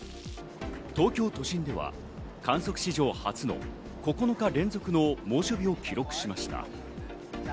東京都心では観測史上初の９日連続の猛暑日を記録しました。